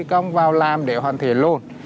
thì công vào làm để hoàn thiện luôn